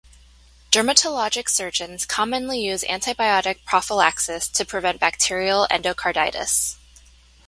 Dermatologic surgeons commonly use antibiotic prophylaxis to prevent bacterial endocarditis.